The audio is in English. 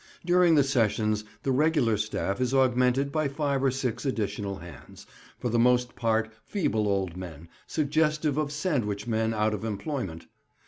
During the sessions the regular staff is augmented by five or six additional hands, for the most part feeble old men, suggestive of sandwich men out of employment.